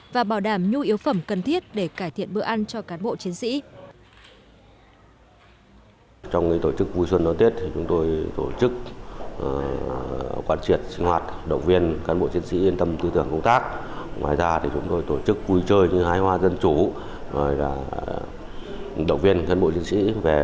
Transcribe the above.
và bảo đảm nhu yếu phẩm cần thiết để cải thiện bữa ăn cho cán bộ chiến sĩ